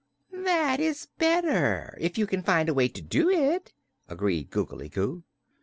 "That is better, if you can find a way to do it," agreed Googly Goo.